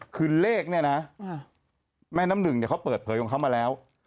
คือเลขเนี่ยนะแม่น้ำหนึ่งเนี่ยเขาเปิดเผยของเขามาแล้ว